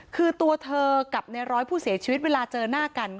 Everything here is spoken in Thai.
คือตัวเธอกับในร้อยผู้เสียชีวิตเวลาเจอหน้ากัน